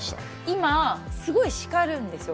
今すごい叱るんですよ